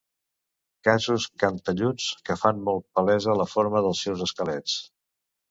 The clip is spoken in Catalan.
Cossos cantelluts que fan molt palesa la forma dels seus esquelets.